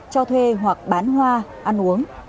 cho thuê hoặc bán hoa ăn uống